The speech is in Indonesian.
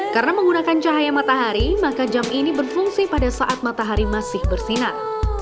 karena menggunakan cahaya matahari maka jam ini berfungsi pada saat matahari masih bersinar